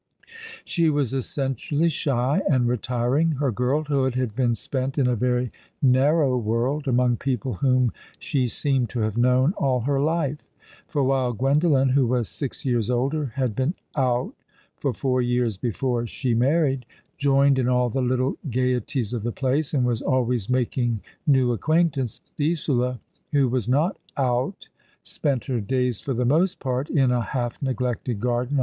She was essentially shy and retiring. Her girlhood had been spent in a very narrow world, among people whom she seemed to have known all her life ; for while Gwendolen, who was six years older, and had been " out " for four years before she married, joined in all the little gaieties of the place, and was always making new acquaintance, Isola, who was not " out," spent her days for the most part in a half neglected garden 2 2 All along the River.